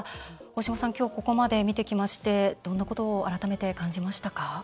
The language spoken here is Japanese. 大島さん、きょうここまで見てきましてどんなことを改めて感じましたか？